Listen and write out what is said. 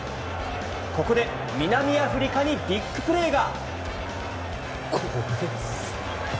ここで南アフリカにビッグプレーが。